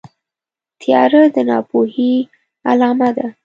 تیاره د ناپوهۍ علامه ده.